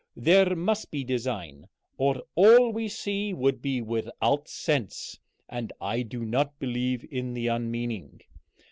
There must be design, or all we see would be without sense, and I do not believe in the unmeaning.